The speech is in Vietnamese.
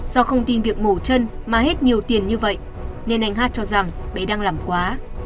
do không tin việc mổ chân mà hết nhiều tiền như vậy nên anh hát cho rằng bé đang làm quá